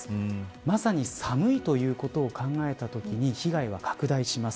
まさに寒いということを考えたときに被害は拡大します。